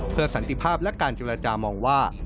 เพื่อสันติภาพและการจุรจามองว่า